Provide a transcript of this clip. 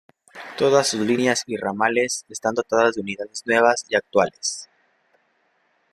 Todas sus líneas y ramales están dotadas de unidades nuevas y actuales.